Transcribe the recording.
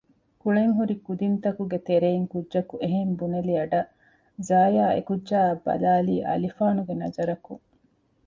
ކުޅެން ހުރި ކުދިންތަކުގެ ތެރެއިން ކުއްޖަކު އެހެން ބުނެލި އަޑަށް ޒާޔާ އެކުއްޖާއަށް ބަލާލީ އަލިފާނުގެ ނަޒަރަކުން